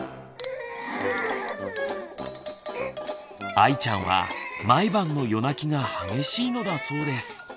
あいちゃんは毎晩の夜泣きが激しいのだそうです。